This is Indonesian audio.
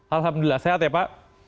alhamdulillah sehat ya pak